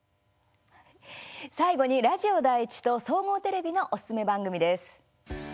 最後にラジオ第１と総合テレビのおすすめ番組です。